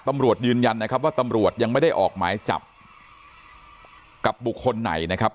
ตำรวจยืนยันนะครับว่าตำรวจยังไม่ได้ออกหมายจับกับบุคคลไหนนะครับ